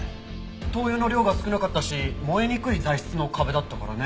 灯油の量が少なかったし燃えにくい材質の壁だったからね。